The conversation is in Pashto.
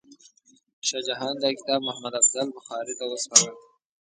شاه جهان دا کتاب محمد افضل بخاري ته وسپاره.